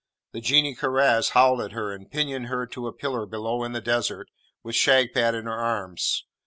The Genie Karaz howled at her, and pinioned her to a pillar below in the Desert, with Shagpat in her arms.